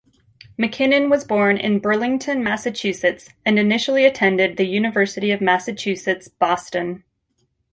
MacKinnon was born in Burlington, Massachusetts and initially attended the University of Massachusetts Boston.